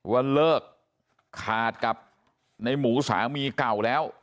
ว่าเลิกขาดกับในหมูสามีเก่าแล้ว